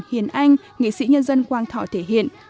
hiền anh nghệ sĩ nhân dân quang thọ thể hiện